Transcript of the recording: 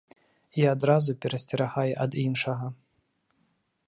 І адразу перасцерагае ад іншага.